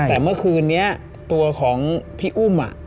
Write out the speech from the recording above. แต่เมื่อคืนนี้ตัวของพี่อุ้ม